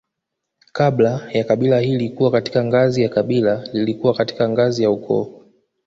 Kabla ya kabila hili kuwa katika ngazi ya kabila lilikuwa katika ngazi ya ukoo